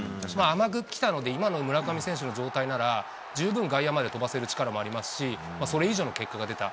甘く来たので、今の村上選手の状態なら、十分外野まで飛ばせる力もありますし、それ以上の結果が出た。